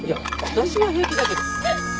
私は平気だけど・